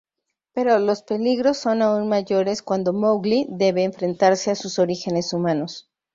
Pero los peligros son aún mayores cuando Mowgli debe enfrentarse a sus orígenes humanos.